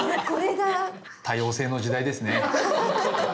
多様性の時代ですね。